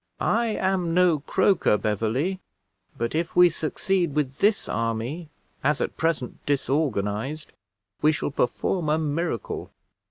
I am no croaker, Beverley, but if we succeed with this army, as at present disorganized, we shall perform a miracle."